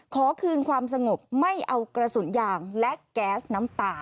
ขอคืนความสงบไม่เอากระสุนยางและแก๊สน้ำตา